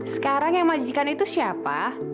sekarang yang majikan itu siapa